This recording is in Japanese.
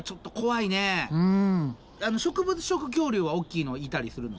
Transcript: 植物食恐竜は大きいのいたりするの？